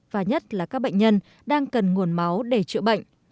và nhất là các bệnh nhân đang cần nguồn máu để chữa bệnh